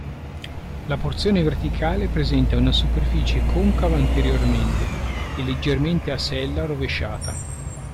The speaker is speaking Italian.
La porzione verticale presenta una superficie concava anteriormente e leggermente a sella rovesciata.